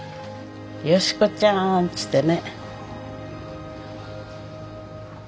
美子ちゃんっつってね。